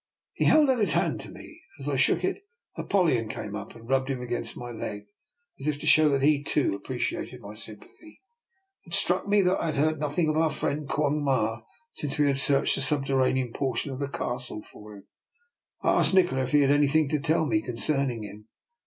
He held out his hand to me, and as I shook it ApoUyon came up, and rubbed him self against my leg, as if to show that he too appreciated my sympathy. I was about to re tire to my room when it struck me that I had heard nothing of our friend Quong Ma since we had searched the subterranean portion of the Castle for him. I asked Nikola if he had anything to tell me concerning him.